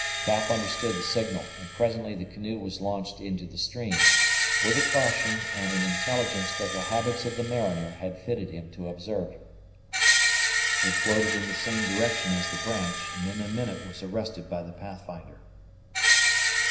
Cap understood the signal, and presently the canoe was launched into the stream, with a caution and an intelligence that the habits of the mariner had fitted him to observe. It floated in the same direction as the branch, and in a minute was arrested by the Pathfinder.